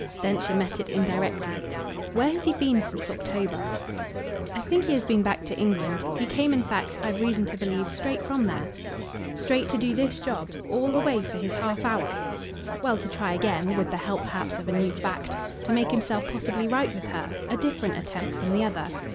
Densher met it indirectly. "Where has he been since October?" "I think he has been back to England. He came in fact, I've reason to believe, straight from there." "Straight to do this job? All the way for his half hour?" "Well, to try again with the help perhaps of a new fact. To make himself possibly right with her a different attempt from the other.